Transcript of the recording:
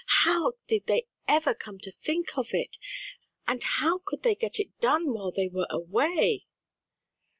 How did they ever come to think of it! and how could they get it done while they were away?"